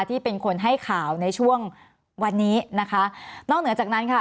ที่เป็นคนให้ข่าวในช่วงวันนี้นะคะนอกเหนือจากนั้นค่ะ